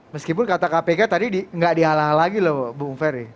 meskipun kata kpk tadi nggak dihalang halangi loh bung ferry